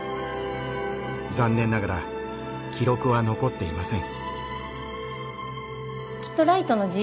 残念ながら記録は残っていません。